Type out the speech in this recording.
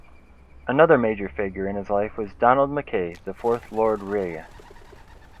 Another major figure in his life was Donald MacKay, the fourth Lord Reay.